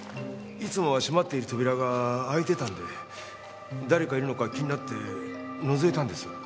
いつもは閉まっている扉が開いてたんで誰かいるのか気になってのぞいたんです。